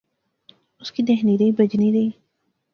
اس کی دیکھنی رہی، بجنی رہی